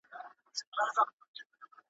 مسیحا چي مي اکسیر جو کړ ته نه وې!